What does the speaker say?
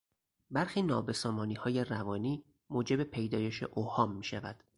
برخی نابسامانیهای روانی موجب پیدایش اوهام میشود.